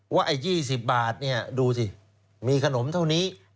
ว่า๒๐บาทดูสิมีขนมเท่านี้